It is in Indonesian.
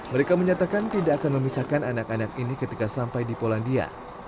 mereka menyatakan tidak akan memisahkan anak anak ini ketika sampai di polandia